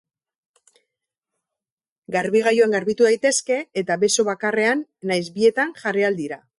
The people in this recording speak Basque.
Garbigailuan garbitu daitezke eta beso bakarrean nahiz bietan jarri ahal dira.